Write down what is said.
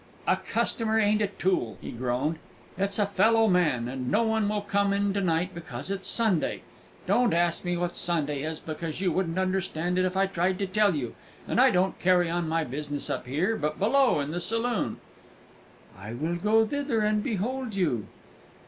"A customer ain't a tool!" he groaned, "it's a fellow man; and no one will come in to night, because it's Sunday. (Don't ask me what Sunday is, because you wouldn't understand if I tried to tell you!) And I don't carry on my business up here, but below in the saloon." "I will go thither and behold you."